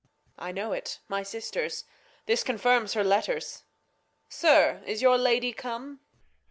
I know't, my Sister's, this confirms her Let ters. Sir, is your Lady come